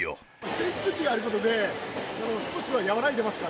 扇風機があることで、少しは和らいでますか？